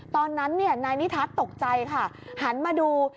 ตอนนั้นนายนิทัศน์ตกใจค่ะหันมาดู